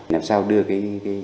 làm sao đưa cái